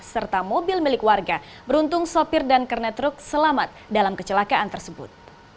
serta mobil milik warga beruntung sopir dan kernet truk selamat dalam kecelakaan tersebut